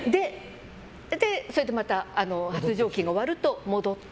それでまた発情期が終わると戻って。